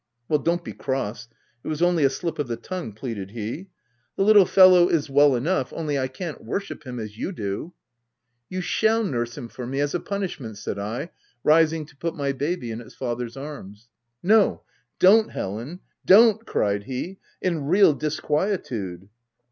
" Well, don't be cross ; it was only a slip of the tongue," pleaded he. "The little fellow is h 3 154 THE TENANT well enough, only I can't worship him as you do." " You shall nurse him for me, as a punish n merit," said I, rising to put my baby in its father's arms. "No, don't, Helen — don't!" cried he, in real disquietude.